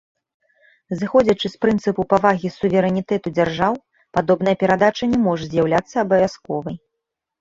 Зыходзячы з прынцыпу павагі суверэнітэту дзяржаў, падобная перадача не можа з'яўляцца абавязковай.